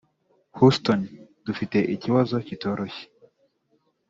houston, dufite ikibazo kitoroshye.